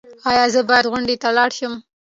ایا زه باید غونډې ته لاړ شم؟